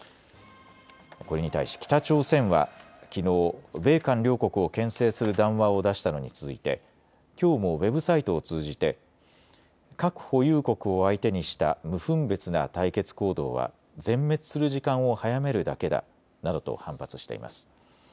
これに対し北朝鮮はきのう米韓両国をけん制する談話を出したのに続いてきょうもウェブサイトを通じて核保有国を相手にした無分別な対決行動は全滅する時間を早めるだけだなどと反発しています。